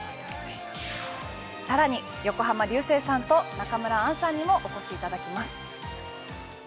更に、横浜流星さんと中村アンさんにもお越しいただきます。